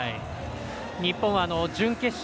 日本は準決勝